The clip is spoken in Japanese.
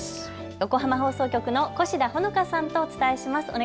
横浜放送局の越田穂香さんとお伝えします。